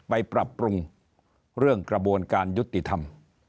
ไปปรับปรุงเรื่องกระบวนการยุติธรรม